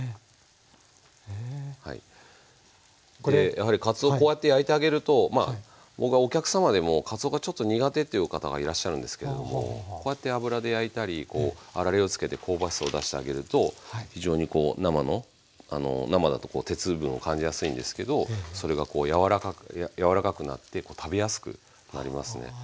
やはりかつおこうやって焼いてあげるとお客様でも「かつおがちょっと苦手」っていう方がいらっしゃるんですけどもこうやって油で焼いたりあられをつけて香ばしさを出してあげると非常にこう生の生だとこう鉄分を感じやすいんですけどそれがこうやわらかくなって食べやすくなりますね。